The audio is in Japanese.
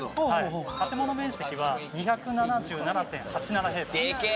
建物面積は２７７．８７平米。